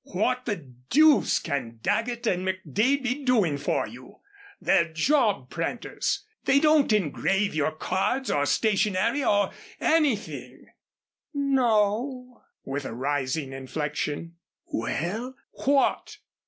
"What the deuce can Daggett and McDade be doing for you. They're job printers. They don't engrave your cards or stationery or anything " "N o," with a rising inflection. "Well what?"